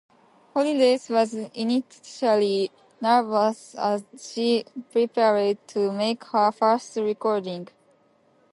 Holiday was initially nervous as she prepared to make her first recording.